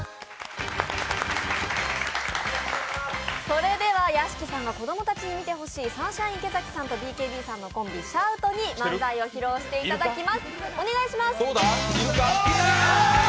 それでは屋敷さんが子供たちに見てほしいサンシャイン池崎さんとＢＫＢさんのコンビ、シャウトに漫才を披露していただきます。